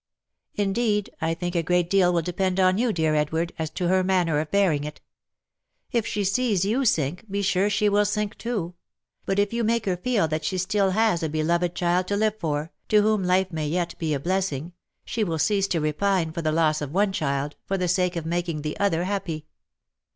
" Indeed, I think a great deal will depend on you, dear Edward, as to her manner of bearing it. If she sees you sink, be sure she will sink too ; but if you make her feel that she has still a beloved child to live for, to whom life may yet be a blessing, she will cease to repine for the loss of one child, for the sake of making the other happy."